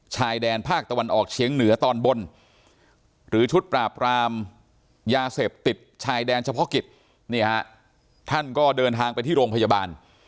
ชายแดนภาคตะวันออกเชียงเหนือตอนบนหรือชุดปราบรามยาเสพติดชายแดนเฉพาะกิจนี่ฮะท่านก็เดินทางไปที่โรงพยาบาล